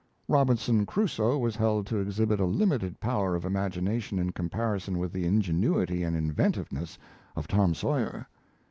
Robinson Crusoe was held to exhibit a limited power of imagination in comparison with the ingenuity and inventiveness of Tom Sawyer.